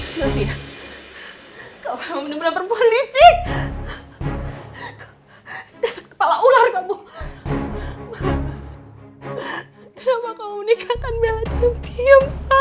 sylvia kau memang beneran perempuan licik dasar kepala ular kamu